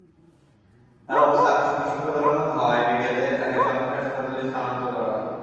তাঁর অবস্থা আশঙ্কাজনক হওয়ায় বিকেলে তাঁকে চমেক হাসপাতালে স্থানান্তর করা হয়।